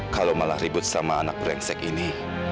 kalau malah ribut sama anak brengsek ini